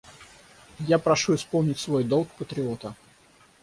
Я прошу исполнить свой долг патриота.